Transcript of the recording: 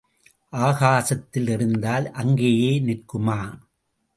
ஆகாசத்தில் எறிந்தால் அங்கேயே நிற்குமா?